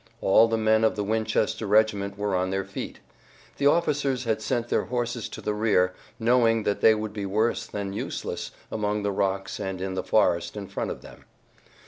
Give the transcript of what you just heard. All the men of the Winchester regiment were on their feet. The officers had sent their horses to the rear, knowing that they would be worse than useless among the rocks and in the forest in front of them.